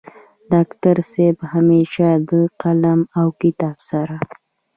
ډاکټر صيب همېشه د قلم او کتاب سره